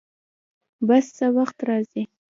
بس څه وخت راځي؟